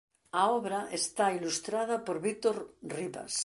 A obra está ilustrada por Víctor Rivas.